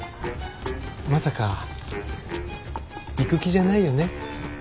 まさか行く気じゃないよね？